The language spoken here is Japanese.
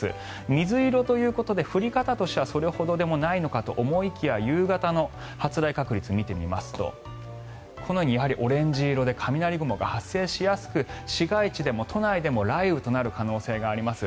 水色ということで降り方としてはそれほどではないのかと思いきや夕方の発雷確率を見てみますとこのようにオレンジ色で雷雲が発生しやすく市街地でも都内でも雷雨となる可能性があります。